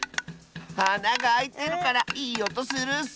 あながあいてるからいいおとするッス！